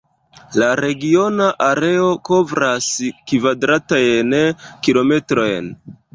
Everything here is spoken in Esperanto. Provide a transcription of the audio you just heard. La regiona areo kovras kvadratajn kilometrojn.